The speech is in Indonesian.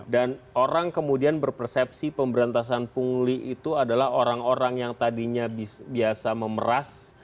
dan orang kemudian berpersepsi pemberantasan punggli itu adalah orang orang yang tadinya biasa memeras